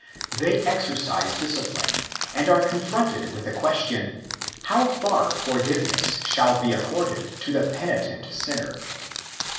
They exercise discipline, and are con fronted with the question how far forgiveness shall be accorded to the penitent sinner (ii.